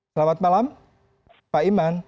selamat malam pak iman